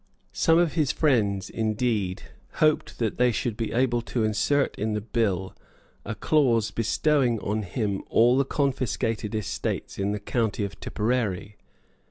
Some of his friends, indeed, hoped that they should be able to insert in the bill a clause bestowing on him all the confiscated estates in the county of Tipperary.